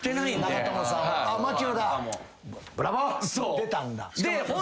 出たんだ。